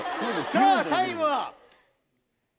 さぁタイムは。